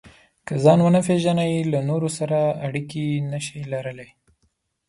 که ځان ونه پېژنئ، له نورو سره اړیکې نشئ لرلای.